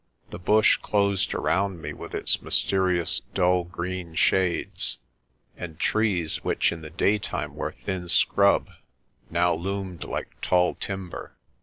The bush closed around me with its mysterious dull green shades, and trees, which in the daytime were thin scrub, now loomed like tall timber.